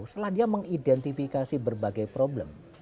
setelah dia mengidentifikasi berbagai problem